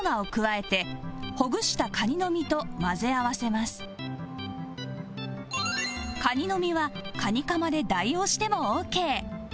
まずカニの身はカニカマで代用してもオーケー